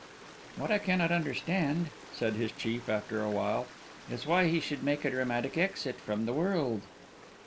"What I cannot understand," said his chief, after awhile, "is why he should make a dramatic exit from the world."